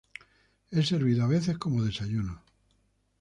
Es servido a veces como desayuno.